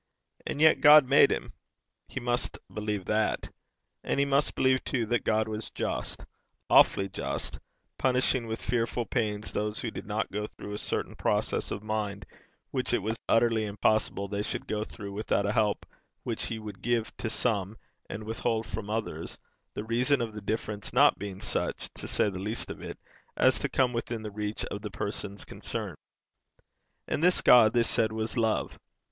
And yet God made him. He must believe that. And he must believe, too, that God was just, awfully just, punishing with fearful pains those who did not go through a certain process of mind which it was utterly impossible they should go through without a help which he would give to some, and withhold from others, the reason of the difference not being such, to say the least of it, as to come within the reach of the persons concerned. And this God they said was love.